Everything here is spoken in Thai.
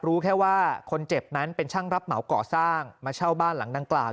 รู้แค่ว่าคนเจ็บนั้นเป็นช่างรับเหมาก่อสร้างมาเช่าบ้านหลังดังกล่าว